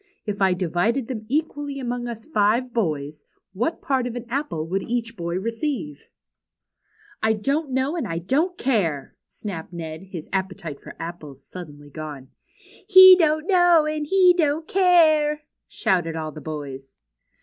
If I divided them equally among us five boys, what part of an apple would each boy receive ?'' ''I don't know and I don't care," snapped Ned, his appetite for apples suddenly gone. "He don't know and he don't care!" shouted all the boys.